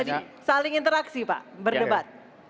jadi saling interaksi pak berdebat